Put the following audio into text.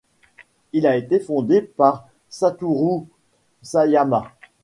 Il a été fondé par Satoru Sayama.